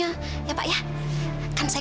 kala aja kan aku